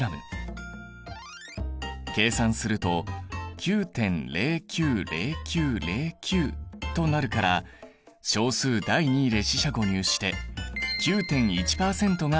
計算すると９．０９０９０９となるから小数第２位で四捨五入して９．１％が正解なんだ。